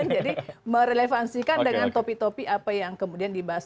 jadi merelevansikan dengan topi topi apa yang kemudian dibahas